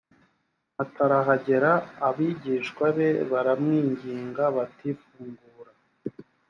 matarahagera abigishwa be baramwinginga bati fungura